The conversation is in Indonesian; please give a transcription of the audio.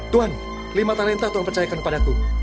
tuan lima talenta tuan percayakan kepadaku